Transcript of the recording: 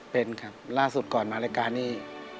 เป็นครับล่าสุดก่อนมารายการนี้